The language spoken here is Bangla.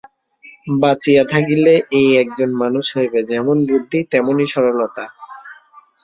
বাঁচিয়া থাকিলে এ একজন মানুষ হইবে– যেমন বুদ্ধি তেমনি সরলতা।